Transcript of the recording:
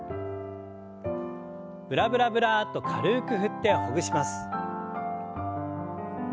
ブラブラブラッと軽く振ってほぐします。